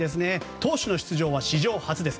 投手の出場は史上初です。